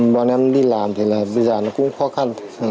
bọn em đi làm thì là bây giờ nó cũng khó khăn